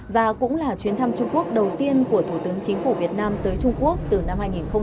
và cũng là chuyến thăm trung quốc đầu tiên của thủ tướng chính phủ việt nam tới trung quốc từ năm hai nghìn một mươi